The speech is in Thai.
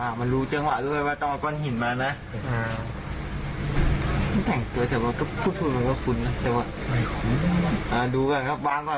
ขนมขบเคี้ยวบุรีอีก๘ซอง